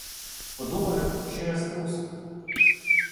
Подумають, що я струсив.